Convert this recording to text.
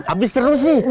abis seru sih